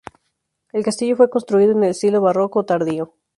El castillo fue construido en estilo barroco tardío.